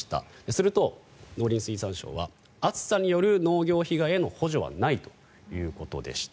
すると、農林水産省は暑さによる農業被害への補助はないということでした。